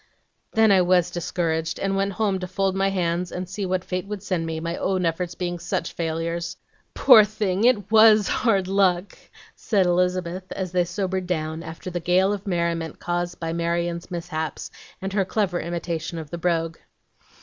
"Then I WAS discouraged, and went home to fold my hands, and see what fate would send me, my own efforts being such failures." "Poor thing, it WAS hard luck!" said Elizabeth, as they sobered down after the gale of merriment caused by Marion's mishaps, and her clever imitation of the brogue.